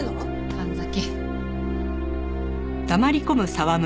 神崎。